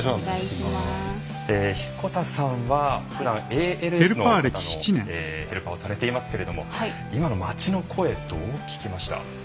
彦田さんはふだんＡＬＳの方のヘルパーをされていますけど今の街の声、どう聞きました？